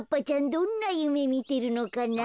どんなゆめみてるのかな？